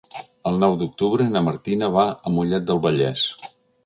El nou d'octubre na Martina va a Mollet del Vallès.